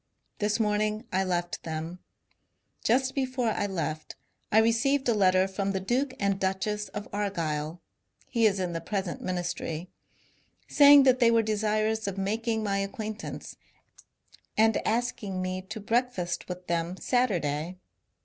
This morning I left them. Just before I left I received a letter from the Duke and Duchess of Argyll (he is in the present ministry), saying that they were desirous of making my acquaintance and asking me to breakfast with them Saturday.